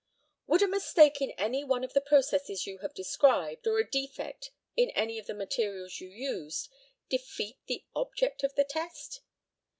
] Would a mistake in any one of the processes you have described, or a defect in any of the materials you used, defeat the object of the test?